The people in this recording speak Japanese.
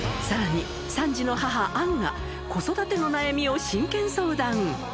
さらに、３児の母、杏が子育ての悩みを真剣相談。